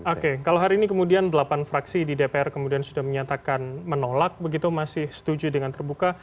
oke kalau hari ini kemudian delapan fraksi di dpr kemudian sudah menyatakan menolak begitu masih setuju dengan terbuka